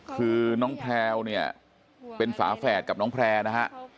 คือน้องแพลวเนี่ยเป็นฝาแฝดกับน้องแพร่นะฮะ